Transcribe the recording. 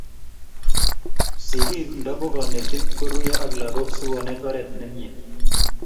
sikik ndako kanetik koruyo ak lakok sukonet oret nemiee